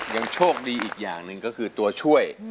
ยังโชคดีอีกอย่างหนึ่งก็คือตัวช่วย